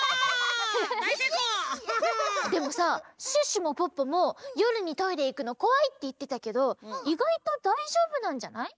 でもさシュッシュもポッポもよるにトイレいくのこわいっていってたけどいがいとだいじょうぶなんじゃない？